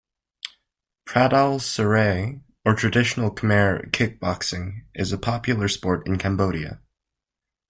Pradal serey, or traditional Khmer kickboxing, is a popular sport in Cambodia.